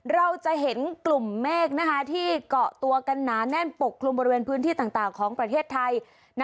เราจะเห็นกลุ่มเมฆที่เกาะตัวกันหนาแน่นปกคลุมบริเวณพื้นที่ต่างของประเทศไทย